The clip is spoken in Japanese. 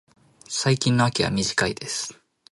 最近の秋は短いです。